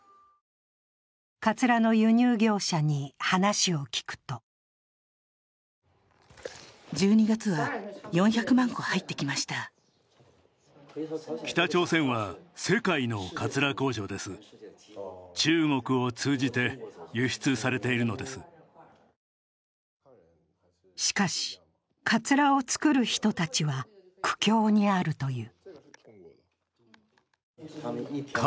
かつらの輸入業者に話を聞くとしかし、かつらを作る人たちは苦境にあるという。